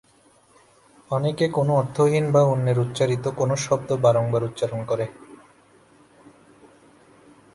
অনেকে কোনো অর্থহীন বা অন্যের উচ্চারিত কোনো শব্দ বারংবার উচ্চারণ করে।